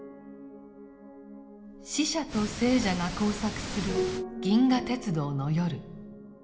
死者と生者が交錯する「銀河鉄道の夜」。